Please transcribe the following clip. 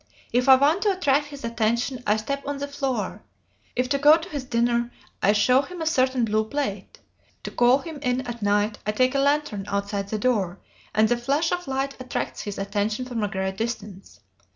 If I want to attract his attention I step on the floor: if to go to his dinner, I show him a certain blue plate: to call him in at night, I take a lantern outside the door, and the flash of light attracts his attention from a great distance.